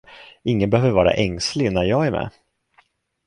Ingen behöver vara ängslig när jag är med.